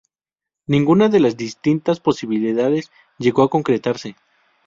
Ninguna de las distintas posibilidades llegó a concretarse.